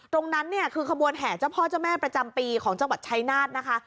ตรงนั้นเนี่ยคือขบวนแห่เจ้าพ่อเจ้าแม่ประจำปีของจังหวัดชายนาฏนะคะ